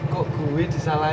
kok gue disalahin